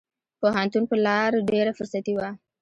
پوهنتون په لار ډېره فرصتي وه.